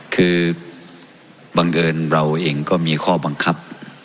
คือบังเอิญเราเองก็มีข้อบังคับ